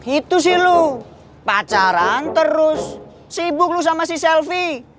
itu sih lo pacaran terus sibuk lo sama si selfie